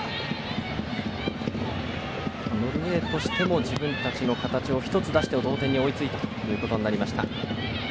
ノルウェーとしても自分たちの形を１つ出して、同点に追いついた形になりました。